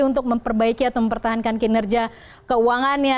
untuk memperbaiki atau mempertahankan kinerja keuangannya